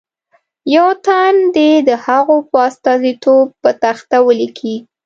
یو تن دې د هغو په استازیتوب په تخته ولیکي.